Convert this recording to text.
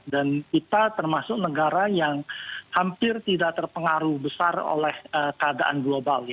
dan kita termasuk negara yang hampir tidak terpengaruh besar oleh keadaan global